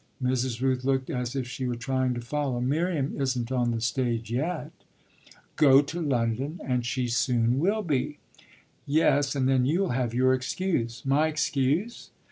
Mrs. Rooth looked as if she were trying to follow. "Miriam isn't on the stage yet." "Go to London and she soon will be." "Yes, and then you'll have your excuse." "My excuse?"